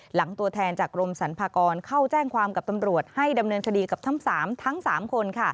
ตัวแทนจากกรมสรรพากรเข้าแจ้งความกับตำรวจให้ดำเนินคดีกับทั้ง๓ทั้ง๓คน